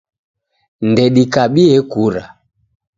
Ndedikabie kura